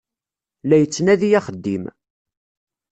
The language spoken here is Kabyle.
La yettnadi axeddim.